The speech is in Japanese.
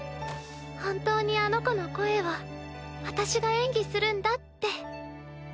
本当にあの子の声を私が演技するんだって。